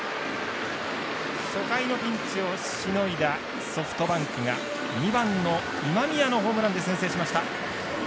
初回のピンチをしのいだソフトバンクが２番の今宮のホームランで先制しました。